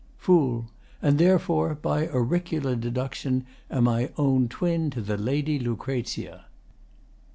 FOOL And therefore, by auricular deduction, am I own twin to the Lady Lucrezia!